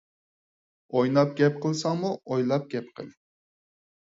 ئويناپ گەپ قىلساڭمۇ ئويلاپ گەپ قىل.